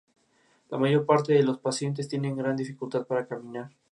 Se trata de una antigua bodega.